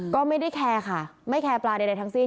ก็ไม่ได้แคร์ค่ะไม่แคร์ปลาใดทั้งสิ้น